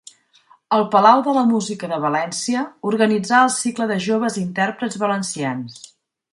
Al Palau de la Música de València, organitzà el cicle de Joves Intèrprets Valencians.